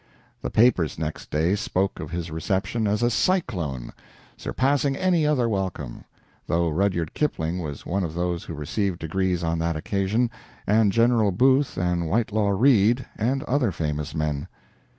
The papers next day spoke of his reception as a "cyclone," surpassing any other welcome, though Rudyard Kipling was one of those who received degrees on that occasion, and General Booth and Whitelaw Reid, and other famous men.